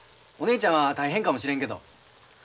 お姉ちゃんは大変かもしれんけど。